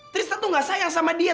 trista tuh gak sayang sama dia